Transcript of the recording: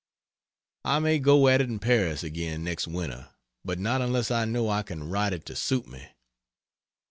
I may go at it in Paris again next winter, but not unless I know I can write it to suit me.